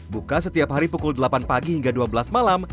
buka setiap hari pukul delapan pagi hingga dua belas malam